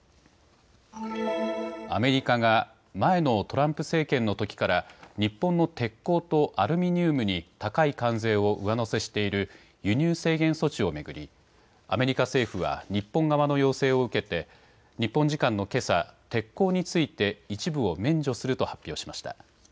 アメリカが前のトランプ政権のときから日本の鉄鋼とアルミニウムに高い関税を上乗せしている輸入制限措置を巡りアメリカ政府は日本側の要請を受けて日本時間のけさ、鉄鋼について一部を免除すると発表しました。